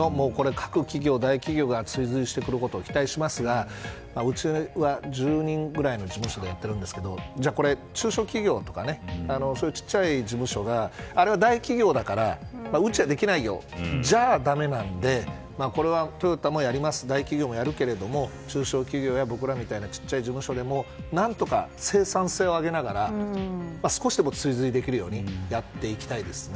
各企業、大企業が追随することを期待しますがうちは１０人ぐらいの事務所でやってるんですけどこれ、中小企業とか小さい事務所があれは大企業だからうちはできないよとそれじゃだめなのでこれはトヨタのような大企業もやるけども中小企業や僕らみたいな小さい事務所でも何とか生産性を上げながら少しでも追随できるようにやっていきたいですね。